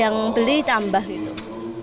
yang beli tambah gitu